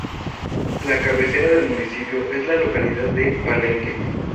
La cabecera del municipio es la localidad de Palenque.